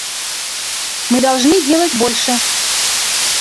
Мы должны делать больше.